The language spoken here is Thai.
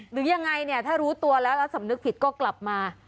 หรือยังไงเนี่ยถ้ารู้ตัวแล้วแล้วสำนึกผิดก็กลับมา